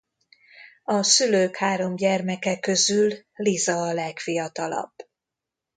A szülők három gyermeke közül Lisa a legfiatalabb.